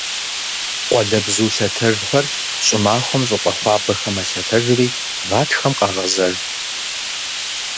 Къуалэбзу лъэтэжхэр щӀымахуэм щӀыпӀэ хуабэхэм мэлъэтэжри гъатхэм къагъэзэж.